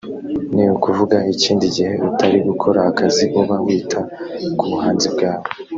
ni ukuvuga ikindi gihe utari gukora akazi uba wita ku buhanzi bwawe